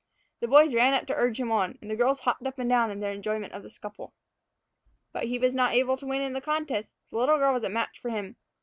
The boys ran up to urge him on, and the girls hopped up and down in their enjoyment of the scuffle. But he was not able to win in the contest. The little girl was a match for him.